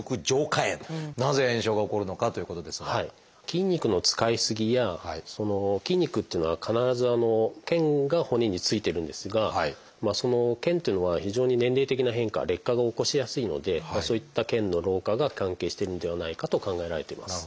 筋肉の使い過ぎや筋肉っていうのは必ず腱が骨についてるんですがその腱というのは非常に年齢的な変化劣化が起こしやすいのでそういった腱の老化が関係しているんではないかと考えられています。